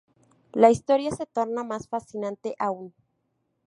La historia se torna más fascinante aún.